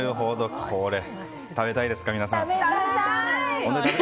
これ食べたいですか、皆さん。